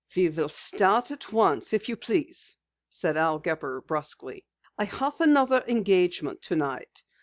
"We will start at once if you please," said Al Gepper brusquely. "I have another engagement tonight.